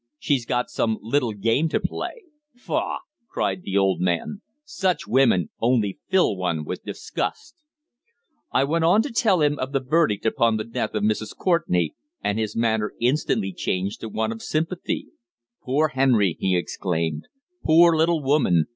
She's got some little game to play. Faugh!" cried the old man, "such women only fill one with disgust." I went on to tell him of the verdict upon the death of Mrs. Courtenay, and his manner instantly changed to one of sympathy. "Poor Henry!" he exclaimed. "Poor little woman!